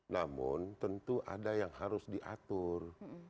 namun tentu ada yang harus diatur